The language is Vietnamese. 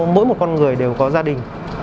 mỗi một con người đều có gia đình